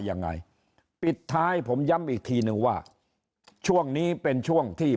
ยังไงปิดท้ายผมย้ำอีกทีนึงว่าช่วงนี้เป็นช่วงที่